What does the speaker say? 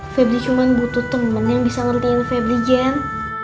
febri cuman butuh temen yang bisa ngertiin febri jen